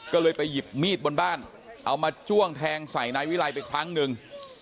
ก็เลยไปหยิบมีดบนบ้านเอามาจ้วงแทงใส่นายวิรัยไปครั้งหนึ่ง